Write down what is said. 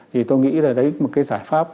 thì tôi nghĩ là đấy một cái giải pháp